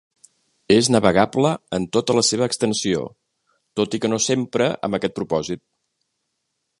És navegable en tota la seva extensió, tot i que no s'empra amb aquest propòsit.